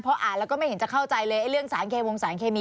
พออ่านแล้วก็ไม่เห็นจะเข้าใจเลยเรื่องสารเควงสารเคมี